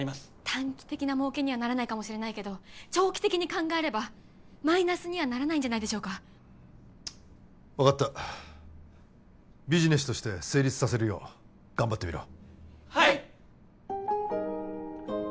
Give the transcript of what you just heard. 短期的なもうけにはならないかもしれないけど長期的に考えればマイナスにはならないんじゃないでしょうか分かったビジネスとして成立させるよう頑張ってみろはい！